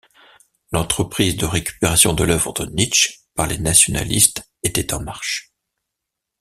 L'entreprise de récupération de l'œuvre de Nietzsche par les nationalistes était en marche.